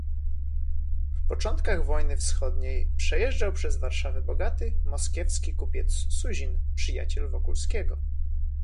"W początkach wojny wschodniej przejeżdżał przez Warszawę bogaty, moskiewski kupiec, Suzin, przyjaciel Wokulskiego."